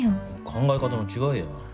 考え方の違いや。